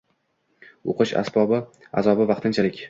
O`qish azobi vaqtinchalik